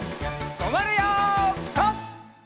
とまるよピタ！